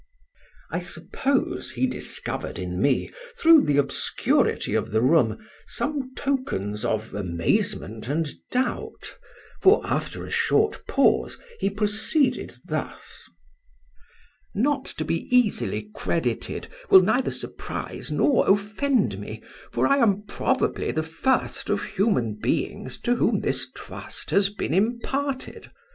"I SUPPOSE he discovered in me, through the obscurity of the room, some tokens of amazement and doubt, for after a short pause he proceeded thus:— "'Not to be easily credited will neither surprise nor offend me, for I am probably the first of human beings to whom this trust has been imparted.